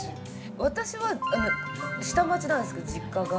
私は下町なんですけど実家が。